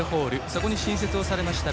そこに新設されました